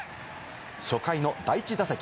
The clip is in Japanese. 初回の第１打席。